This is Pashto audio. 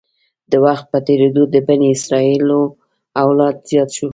د وخت په تېرېدو د بني اسرایلو اولاد زیات شو.